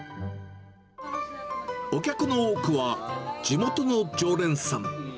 お客の多くは、地元の常連さん。